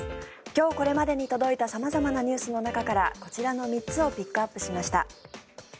今日これまでに入っている様々なニュースの中からこちらの３つをピックアップしました。